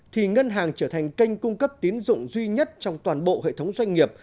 thì ngân hàng trở thành kênh cung cấp tín dụng duy nhất trong toàn bộ hệ thống doanh nghiệp